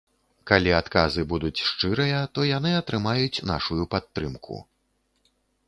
Калі адказы будуць шчырыя, то яны атрымаюць нашую падтрымку.